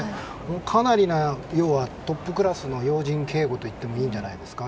かなりトップクラスの要人警護といってもいいんじゃないですか。